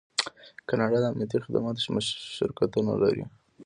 کاناډا د امنیتي خدماتو شرکتونه لري.